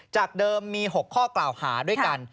จากเดิมมี๖ข้อกล่าวหาด้วยกัน